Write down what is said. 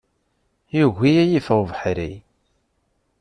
Yugi ad yi-iffeɣ ubeḥri.